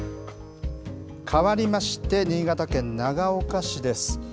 変わりまして新潟県長岡市です。